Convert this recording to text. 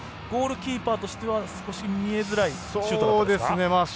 ゴールキーパーとしては少し見えづらいシュートでしたか。